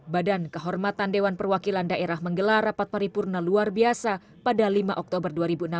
badan kehormatan dewan perwakilan daerah menggelar rapat paripurna luar biasa pada lima oktober dua ribu enam belas